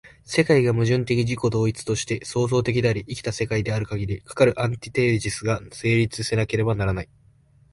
世界が矛盾的自己同一として創造的であり、生きた世界であるかぎり、かかるアンティテージスが成立せなければならない。